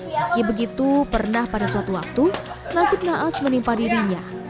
meski begitu pernah pada suatu waktu nasib naas menimpa dirinya